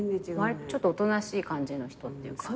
ちょっとおとなしい感じの人っていうか。